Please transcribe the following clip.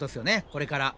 これから。